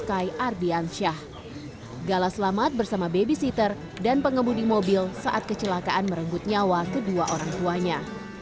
kita menjadi kebangkan orang tuanya